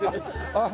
ああ